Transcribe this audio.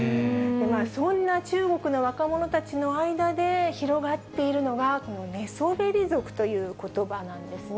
そんな中国の若者たちの間で広がっているのが、この寝そべり族ということばなんですね。